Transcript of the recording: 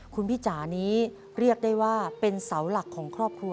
คุณพี่จ๋านี้เรียกได้ว่าเป็นเสาหลักของครอบครัว